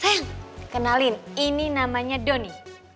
heng kenalin ini namanya doni